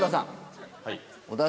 はい。